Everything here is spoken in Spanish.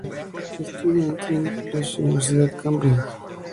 Estudia en el Trinity College, Universidad de Cambridge.